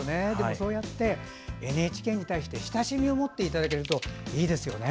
そうやってＮＨＫに対して親しみを持っていただけるといいですよね。